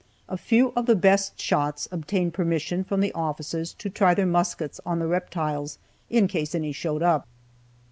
A few of the best shots obtained permission from the officers to try their muskets on the reptiles, in case any showed up.